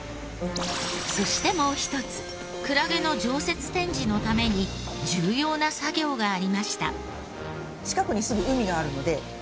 そしてもう一つクラゲの常設展示のために重要な作業がありました。